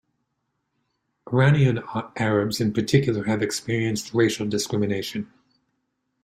Iranian Arabs in particular have experienced racial discrimination.